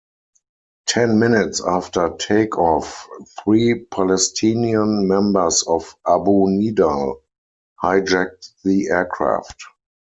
Ten minutes after takeoff, three Palestinian members of Abu Nidal hijacked the aircraft.